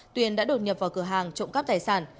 tuyền đã đột nhập vào cửa hàng trộm cắp tài sản